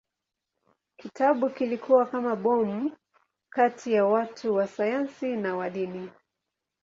Kitabu kilikuwa kama bomu kati ya watu wa sayansi na wa dini.